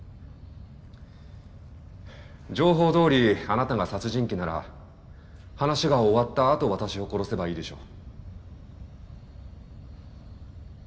情報どおりあなたが殺人鬼なら話が終わったあと私を殺せばいいでしょ。